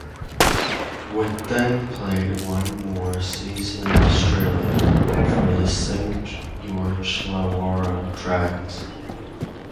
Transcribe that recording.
Witt then played one more season in Australia for the Saint George Illawarra Dragons.